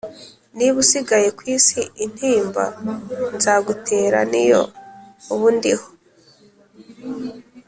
Niba usigaye ku isi Intimba nzagutera Niyo ubu ndiho